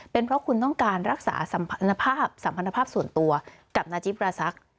เป็นเพราะคุณต้องการรักษาสัมพันธภาพส่วนตัวกับนาจิปราศักดิ์